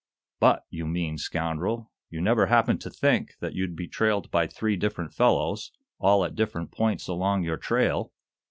But, you mean scoundrel, you never happened to think that you'd be trailed by three different fellows, all at different points along your trail."